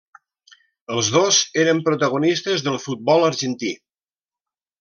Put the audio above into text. Els dos eren protagonistes del futbol argentí.